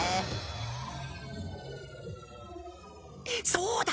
そうだ！